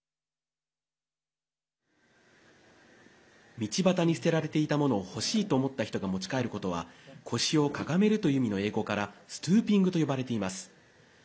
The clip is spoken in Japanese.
道端に捨てられていたものを欲しいと思った人が持ち帰ることは腰をかがめるという意味の英語からストゥーピングと呼ばれています。